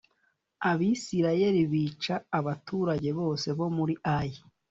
Abisirayeli bica abaturage bose bo muri Ayi